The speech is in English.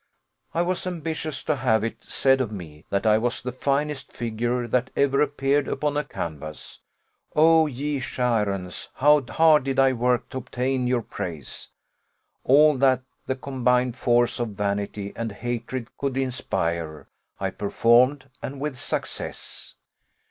I was ambitious to have it said of me, 'that I was the finest figure that ever appeared upon a canvass.' O, ye shireians, how hard did I work to obtain your praise! All that the combined force of vanity and hatred could inspire I performed, and with success.